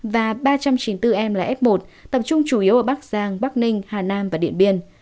và ba trăm chín mươi bốn em là f một tập trung chủ yếu ở bắc giang bắc ninh hà nam và điện biên